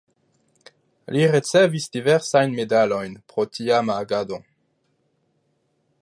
Li ricevis diversajn medalojn pro tiama agado.